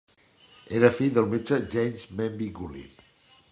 Era fill del metge James Manby Gully.